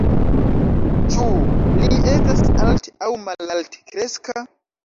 Ĉu li estas alt- aŭ malaltkreska?